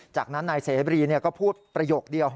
จากนั้นนายเสบรีก็พูดประโยคเดียว